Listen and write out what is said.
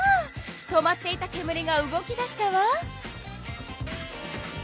止まっていたけむりが動き出したわ！